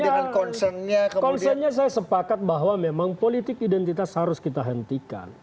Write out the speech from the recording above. ya konsennya saya sepakat bahwa memang politik identitas harus kita hentikan